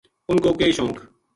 انھ کو کے شونق